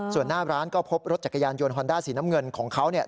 ส่วนหน้าร้านก็พบรถจักรยานยนต์ฮอนด้าสีน้ำเงินของเขาเนี่ย